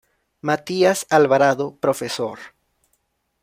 Matías Alvarado -Profesor-.